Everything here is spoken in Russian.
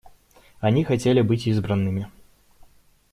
Они хотели быть избранными.